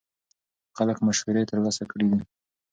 خلک مشورې ترلاسه کړې دي.